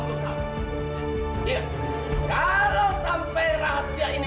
jika rahasia ini terjadi aku akan menanggungmu